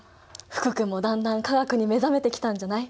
福君もだんだん化学に目覚めてきたんじゃない？